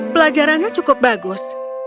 pelajarannya cukup bagus